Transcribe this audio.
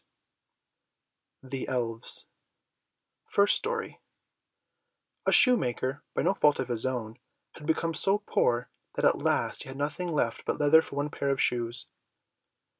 39 The Elves FIRST STORY A shoemaker, by no fault of his own, had become so poor that at last he had nothing left but leather for one pair of shoes.